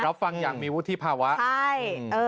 รับฟังอย่างมีวุฒิภาวะใช่